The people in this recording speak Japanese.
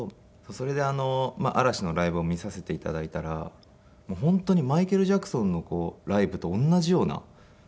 それで嵐のライブを見させて頂いたら本当にマイケル・ジャクソンのライブと同じような。